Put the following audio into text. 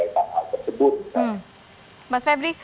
jadi kami tidak tahu apa yang akan terjadi